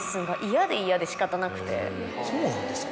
そうなんですか？